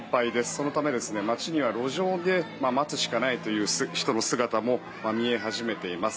そのため、街には路上で待つしかないという人の姿も見え始めています。